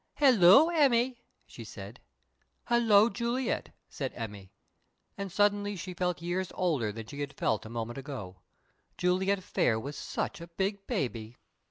"Hello, Emmy!" she said. "Hello, Juliet!" said Emmy. And suddenly she felt years older than she had felt a moment ago. Juliet Phayre was such a big baby!